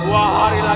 dua hari lagi